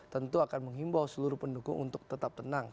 tentu akan menghimbau seluruh pendukung untuk tetap tenang